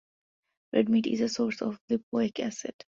Red meat is a source of lipoic acid.